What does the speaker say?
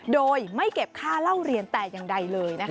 โดยไม่เก็บค่าเล่าเรียนแต่อย่างใดเลย